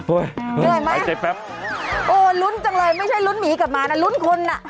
โอ๊ยหายใจแป๊บโอ๊ยลุ้นจังเลยไม่ใช่ลุ้นหมีกับหมานะลุ้นคุณน่ะ